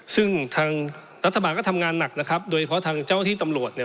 ซึ่งทางรัฐบาลก็ทำงานหนักนะครับโดยเฉพาะทางเจ้าที่ตำรวจเนี่ย